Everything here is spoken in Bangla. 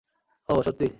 ওহ, সত্যি!